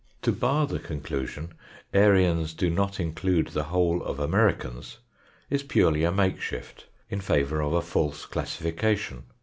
To bar the conclusion, "Aryans do not include the whole of Americans," is purely a makeshift in favour of a false classification.